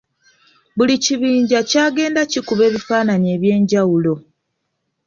Buli kibinja kyagenda kikuba ebifaananyi eby’enjawulo.